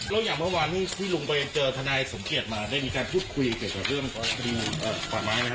แล้วอย่างเมื่อวานที่ลุงไปเจอทนายสมเกียจมาได้มีการพูดคุยเกี่ยวกับเรื่องของคดีป่าไม้ไหมฮ